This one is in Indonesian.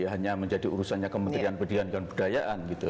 hanya menjadi urusannya ke menteri pendidikan dan budayaan gitu